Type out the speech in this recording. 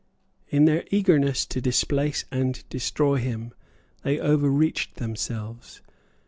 In their eagerness to displace and destroy him they overreached themselves.